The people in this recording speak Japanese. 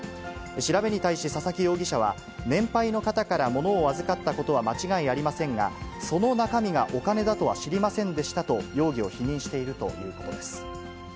調べに対し、佐々木容疑者は、年配の方からものを預かったことは間違いありませんが、その中身がお金だとは知りませんでしたと、容疑を否認しているということです。